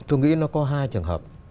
tôi nghĩ nó có hai trường hợp